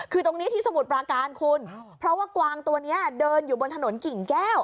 คือตรงนี้ที่สมุทรปราการคุณเพราะว่ากวางตัวนี้เดินอยู่บนถนนกิ่งแก้ว